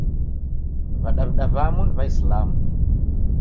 W'adaw'ida w'amu ni W'aisilamu.